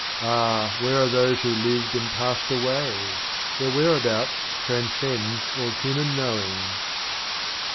— Ah, Where are Those who lived and passed away? Theirwhereabouts transcends all Human Knowing.